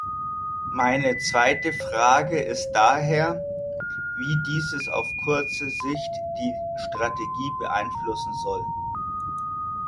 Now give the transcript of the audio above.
Meine zweite Frage ist daher, wie dieses auf kurze Sicht die Strategie beeinflussen soll.